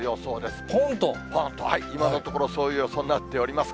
今のところ、そういう予想になっております。